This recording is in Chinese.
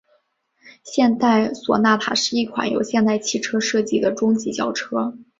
现代索纳塔是一款由现代汽车设计的中级轿车。